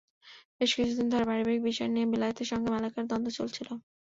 বেশ কিছুদিন ধরে পারিবারিক বিষয় নিয়ে বেলায়েতের সঙ্গে মালেকার দ্বন্দ্ব চলছিল।